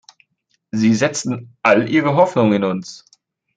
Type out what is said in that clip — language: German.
Sie setzten all ihre Hoffnung in uns.